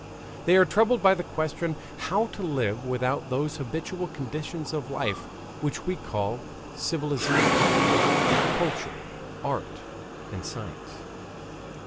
They are troubled by the question how to live without those habitual conditions of life which we call civilization, culture, art, and science.